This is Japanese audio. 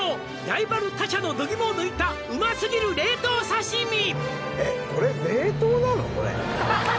「ライバル他社の度肝を抜いたうますぎる冷凍刺身」